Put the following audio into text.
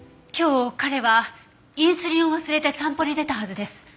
今日彼はインスリンを忘れて散歩に出たはずです。